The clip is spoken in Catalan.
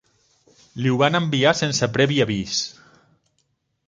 Li ho van enviar sense previ avís.